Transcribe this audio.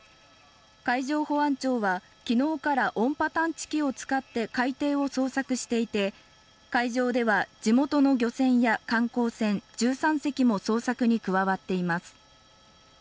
海上保安庁はきのうから音波探知機を使って海底を捜索していて会場では地元の漁船や観光船１３隻も捜索に加わっています